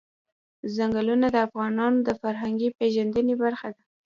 ځنګلونه د افغانانو د فرهنګي پیژندنې برخه ده.